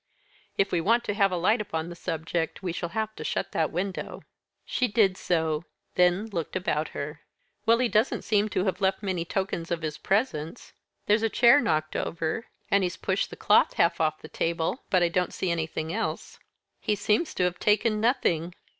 "If we want to have a light upon the subject, we shall have to shut that window." She did so. Then looked about her. "Well, he doesn't seem to have left many tokens of his presence. There's a chair knocked over, and he's pushed the cloth half off the table, but I don't see anything else." "He seems to have taken nothing."